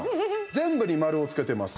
全部に丸をつけています。